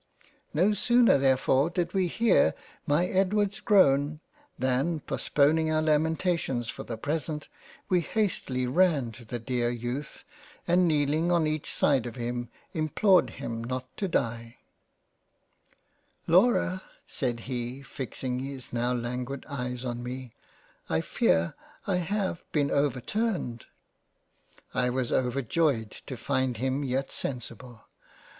No sooner therefore did we hear my Edward's groan than postponing our lamentations for the present, we hastily ran to the Dear Youth and kneeling on each side of him implored him not to die —." Laura (said He fixing his now languid Eyes on me) I fear I have been overturned." I was overjoyed to find him yet sensible.